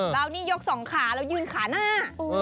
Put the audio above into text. แล้วนี่ยกสองขาเรายืนขาหน้า